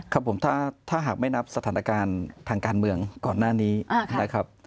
ครับผมถ้าหากไม่นับสถานการณ์ทางการเมืองก่อนหน้านี้นะครับ